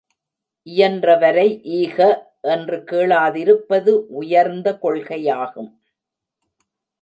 இயன்றவரை ஈக என்று கேளாதிருப்பது உயர்ந்த கொள்கையாகும்.